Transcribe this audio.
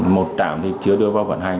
một trạm thì chưa đưa vào vận hành